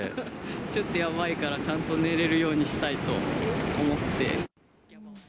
ちょっとやばいから、ちゃんと寝れるようにしたいと思って。